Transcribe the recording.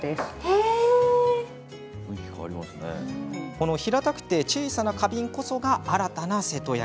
この平たくて小さな花瓶こそが新たな瀬戸焼。